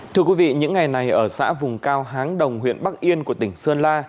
thưa quý vị những ngày này ở xã vùng cao háng đồng huyện bắc yên của tỉnh sơn la